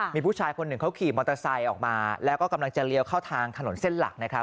มีผู้ชายคนหนึ่งเขาขี่มอเตอร์ไซค์ออกมาแล้วก็กำลังจะเลี้ยวเข้าทางถนนเส้นหลักนะครับ